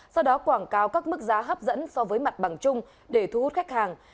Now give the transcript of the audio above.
sau đó quảng cáo các mức giá hấp dẫn so với mặt bằng chung để thu hút khách hàng